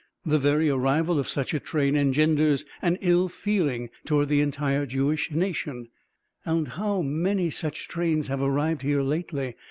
The very arrival of such a train engenders an ill feeling toward the entire Jewish nation, and how many such trains have arrived here lately!